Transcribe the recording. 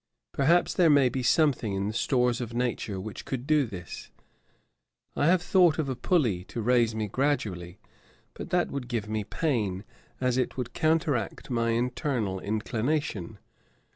Perhaps there may be something in the stores of Nature which could do this. I have thought of a pulley to raise me gradually; but that would give me pain, as it would counteract my internal inclination.